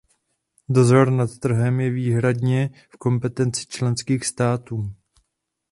Dozor nad trhem je výhradně v kompetenci členských států.